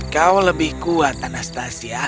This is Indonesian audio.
kau lebih kuat anastasia